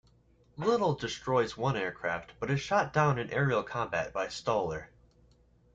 Little destroys one aircraft, but is shot down in aerial combat by Stoller.